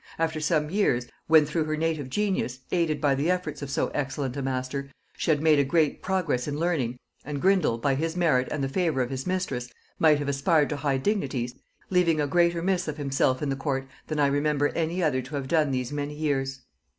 After some years, when through her native genius, aided by the efforts of so excellent a master, she had made a great progress in learning, and Grindal, by his merit and the favor of his mistress, might have aspired to high dignities, he was snatched away by a sudden illness, leaving a greater miss of himself in the court, than I remember any other to have done these many years.